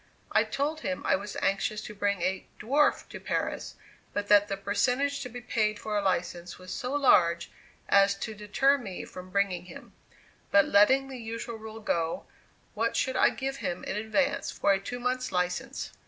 I told him I was anxious to bring a "dwarf" to Paris, but that the percentage to be paid for a license was so large as to deter me from bringing him; but letting the usual rule go, what should I give him in advance for a two months' license?